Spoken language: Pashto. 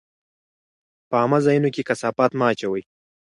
په عامه ځایونو کې کثافات مه اچوئ.